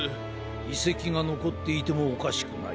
いせきがのこっていてもおかしくない。